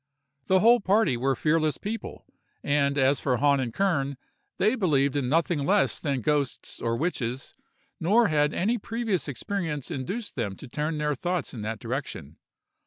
The whole party were fearless people; and as for Hahn and Kern, they believed in nothing less than ghosts or witches, nor had any previous experience induced them to turn their thoughts in that direction.